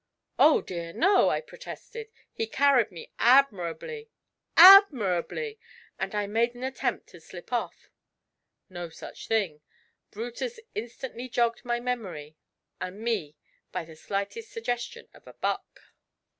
'Oh, dear no,' I protested, 'he carried me admirably admirably!' and I made an attempt to slip off. No such thing: Brutus instantly jogged my memory, and me, by the slightest suggestion of a 'buck.'